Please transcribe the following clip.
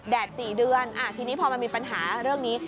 ๔เดือนทีนี้พอมันมีปัญหาเรื่องนี้